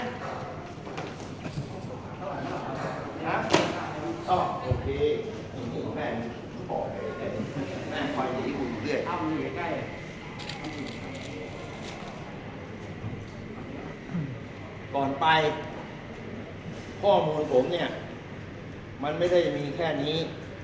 อยู่ด้วยอ้าวอยู่ใกล้ใกล้ก่อนไปข้อมูลผมเนี่ยมันไม่ได้มีแค่นี้